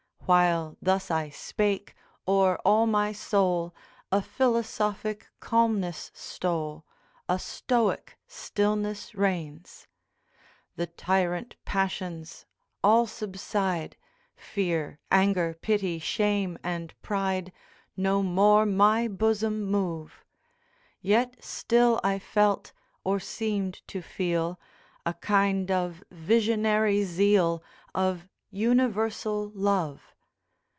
While thus I spake, o'er all my soul A philosophic calmness stole, A stoic stillness reigns. The tyrant passions all subside, Fear, anger, pity, shame, and pride, No more my bosom move; Yet still I felt, or seemed to feel A kind of visionary zeal Of universal love.